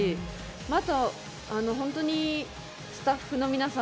あと、本当にスタッフの皆さん